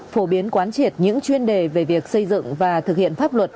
phổ biến quán triệt những chuyên đề về việc xây dựng và thực hiện pháp luật